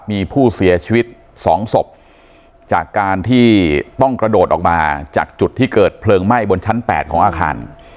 มีผู้เสียชีวิต๒ศพจากการที่ต้องกระโดดออกมาจากจุดที่เกิดเพลิงไหม้บนชั้น๘ของอาคาร